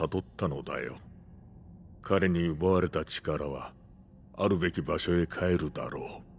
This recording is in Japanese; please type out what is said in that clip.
彼に奪われた力は在るべき場所へ帰るだろう。